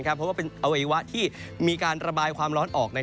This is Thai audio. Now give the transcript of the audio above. เพราะว่าเป็นอวัยวะที่มีการระบายความร้อนออก